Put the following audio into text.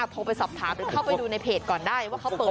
โทรไปสอบถามหรือเข้าไปดูในเพจก่อนได้ว่าเขาเปิด